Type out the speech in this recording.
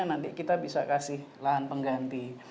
nanti kita bisa kasih lahan pengganti